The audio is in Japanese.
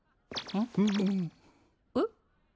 えっ？